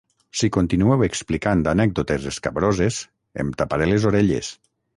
Si continueu explicant anècdotes escabroses, em taparé les orelles.